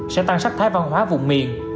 sẽ tăng sắc thái văn hóa vùng miền